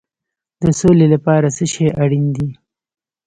د سولې لپاره څه شی اړین دی؟